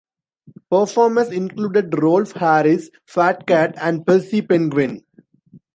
Performers included Rolf Harris, Fat Cat and Percy Penguin.